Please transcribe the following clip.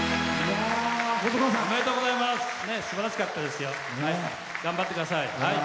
すばらしかったですよ。頑張ってください。